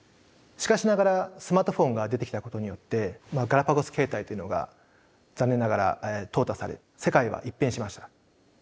しかしながらスマートフォンが出てきたことによってガラパゴス携帯というのが残念ながら淘汰され世界は一変しました。